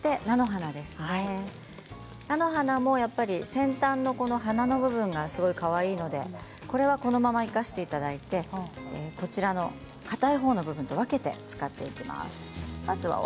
菜の花も先端の花の部分がすごいかわいいのでこれはこのまま生かしていただいてかたいほうの部分と分けて使っていきます。